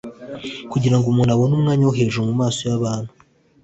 Kugira ngo umuntu abone umwanya wo hejuru mu maso y'abantu,